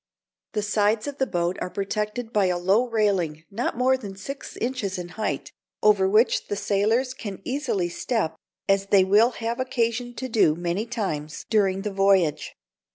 The sides of the boat are protected by a low railing not more than six inches in height, over which the sailors can easily step, as they will have occasion to do many times during the voyage.